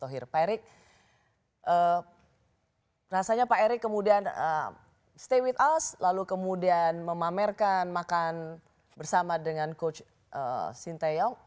kemudian pak erick stay with us kemudian memamerkan makan bersama dengan coach sintayong